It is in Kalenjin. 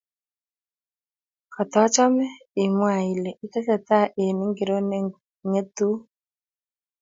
katachame i mwa ile itesetai eng' ngiro ne ngetun